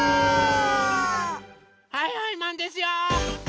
はいはいマンですよ！